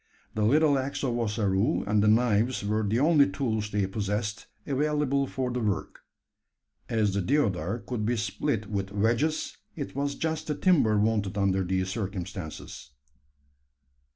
The little axe of Ossaroo and the knives were the only tools they possessed available for the work. As the deodar could be split with wedges, it was just the timber wanted under these circumstances.